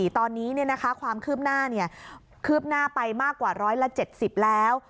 ตอนนี้ความคืบหน้าคืบหน้าไปมากกว่า๑๗๐แล้ว